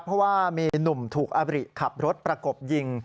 เพราะว่ามีหนุ่มถูกอบริขับรถประกบยิง